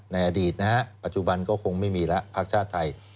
ในอดีตนะฮะปัจจุบันก็คงไม่มีแล้วภาคชาติไทย